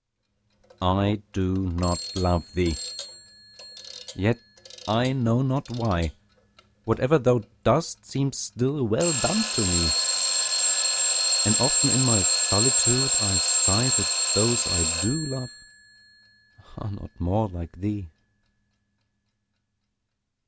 I do not love thee! yet, I know not why, Whate'er thou does seems still well done, to me And often in my solitude I sigh That those I do love are not more like thee!